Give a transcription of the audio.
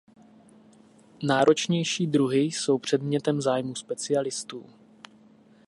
Náročnější druhy jsou předmětem zájmu specialistů.